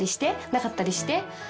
なかったりして？